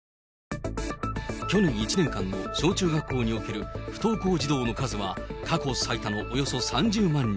去年１年間の小中学校における不登校児童の数は、過去最多のおよそ３０万人。